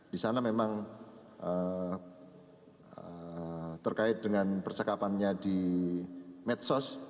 di sana memang terkait dengan percakapannya di medsos